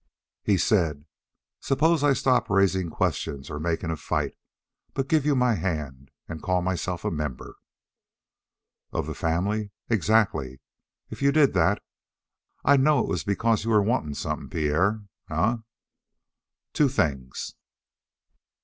He said: "Suppose I stop raising questions or making a fight, but give you my hand and call myself a member " "Of the family? Exactly. If you did that I'd know it was because you were wantin' something, Pierre, eh?" "Two things."